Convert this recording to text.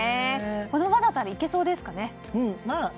このままだったらいけそうですかね。